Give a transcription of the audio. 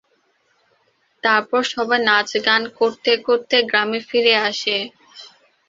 তারপর সবাই নাচ গান করতে করতে গ্রামে ফিরে আসে।